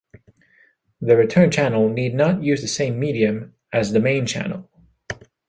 The return channel need not use the same medium as the main channel.